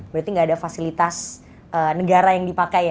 berarti gak ada fasilitas negara yang dipakai